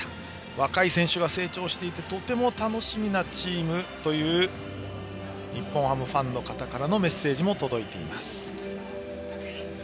若い選手が成長していてとても楽しみなチームという日本ハムファンの方からのメッセージも届いています。